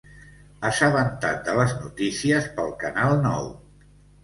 Assabentat de les notícies pel Canal nou.